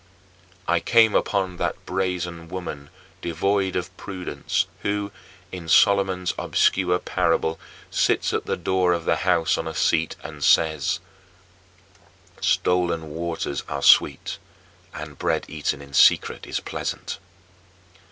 I came upon that brazen woman, devoid of prudence, who, in Solomon's obscure parable, sits at the door of the house on a seat and says, "Stolen waters are sweet, and bread eaten in secret is pleasant."